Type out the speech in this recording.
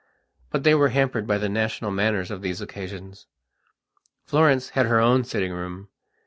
But they were hampered by the national manners of these occasions. Florence had her own sitting room.